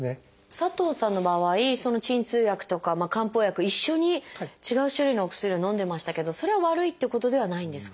佐藤さんの場合鎮痛薬とか漢方薬一緒に違う種類のお薬をのんでましたけどそれは悪いっていうことではないんですか？